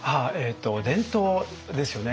伝統ですよね。